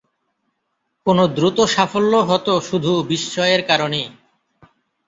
কোন দ্রুত সাফল্য হতো শুধু বিস্ময়ের কারণে।